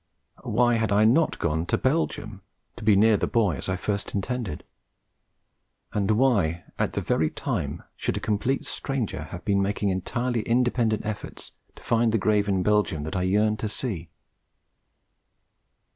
Why had I not gone to Belgium (to be near the boy) as I at first intended? And why, at that very time, should a complete stranger have been making entirely independent efforts to find the grave in Belgium that I yearned to see?